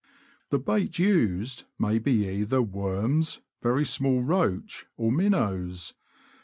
The bait used may be either worms, very small roach, or minnows.